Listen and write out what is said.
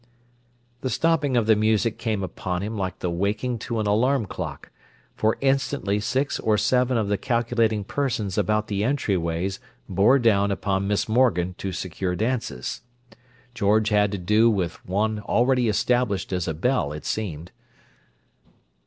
The stopping of the music came upon him like the waking to an alarm clock; for instantly six or seven of the calculating persons about the entry ways bore down upon Miss Morgan to secure dances. George had to do with one already established as a belle, it seemed.